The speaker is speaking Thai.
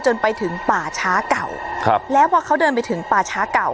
จนไปถึงป่าช้าเก่าครับแล้วพอเขาเดินไปถึงป่าช้าเก่า